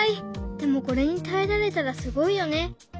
でもこれに耐えられたらすごいよね。